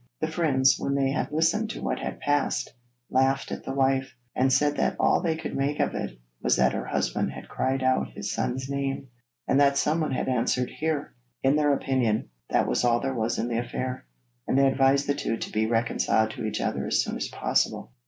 The friends, when they had listened to what had passed, laughed at the wife, and said that all they could make of it was that her husband had cried out his son's name, and that someone had answered 'Here.' In their opinion, that was all there was in the affair, and they advised the two to be reconciled to each other as soon as possible.